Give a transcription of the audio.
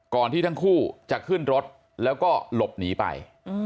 ที่ทั้งคู่จะขึ้นรถแล้วก็หลบหนีไป